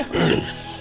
ya udah dikit